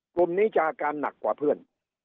กลุ่มนี้จะอาการหนักกว่าเพื่อน